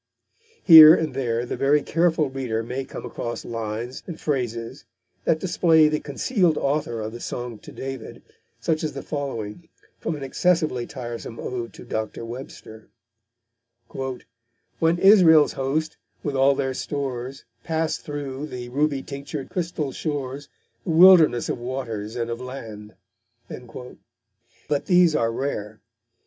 Here and there the very careful reader may come across lines and phrases that display the concealed author of the Song to David, such as the following, from an excessively tiresome ode to Dr. Webster: When Israel's host, with all their stores, Passed through the ruby tinctured crystal shores, The wilderness of waters and of land. But these are rare.